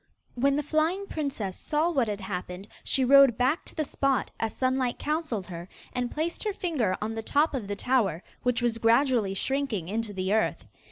When the flying princess saw what had happened she rode back to the spot, as Sunlight counselled her, and placed her finger on the top of the tower, which was gradually shrinking into the earth.